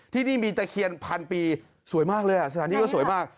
ที่นี่มีตะเคียนพันปีสวยมากเลยสถานที่ก็สวยมาก